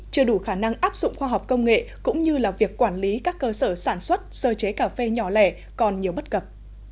chưa đủ khả năng áp dụng khoa học công nghệ cũng như là việc quản lý các cơ sở sản xuất sơ chế cà phê nhỏ lẻ còn nhiều bất cập